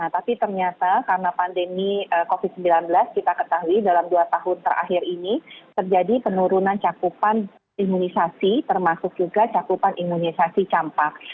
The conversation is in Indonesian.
tapi ternyata karena pandemi covid sembilan belas kita ketahui dalam dua tahun terakhir ini terjadi penurunan cakupan imunisasi termasuk juga cakupan imunisasi campak